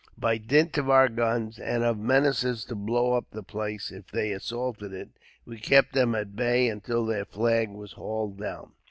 By dint of our guns, and of menaces to blow up the place if they assaulted it, we kept them at bay until their flag was hauled down."